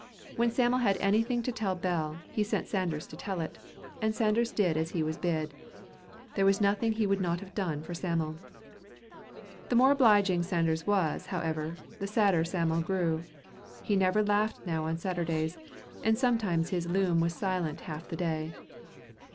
When Sam'l had anything to tell Bell, he sent Sanders to tell it, and Sanders did as he was bid. There was nothing that he would not have done for Sam'l. The more obliging Sanders was, however, the sadder Sam'l grew. He never laughed now on Saturdays, and sometimes his loom was silent half the day.